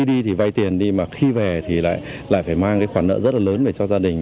đi tiền đi mà khi về thì lại phải mang khoản nợ rất là lớn về cho gia đình